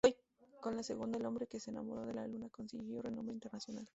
Con la segunda, "El hombre que se enamoró de la Luna", consiguió renombre internacional.